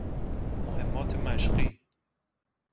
مهمات مشقی